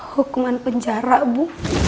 hukuman penjara bu